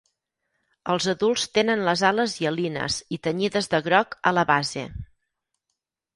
Els adults tenen les ales hialines i tenyides de groc a la base.